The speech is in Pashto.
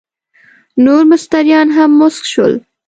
نور مستریان هم مسک شول.